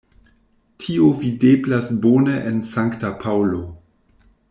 Tio videblas bone en Sankta Paŭlo.